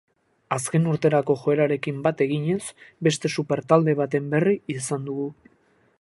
Azken urteetako joerarekin bat eginez, beste super-talde baten berri izan dugu.